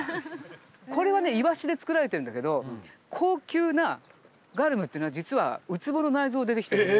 これはねイワシで作られているんだけど高級なガルムっていうのは実はウツボの内臓でできてるんです。